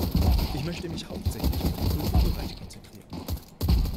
Ich möchte mich hauptsächlich auf den Kulturbereich konzentrieren.